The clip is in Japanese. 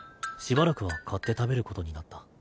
しばらくは買って食べることになった。